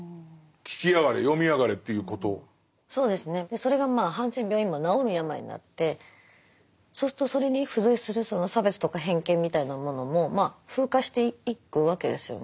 それがまあハンセン病は今治る病になってそうするとそれに付随するその差別とか偏見みたいなものもまあ風化していくわけですよね。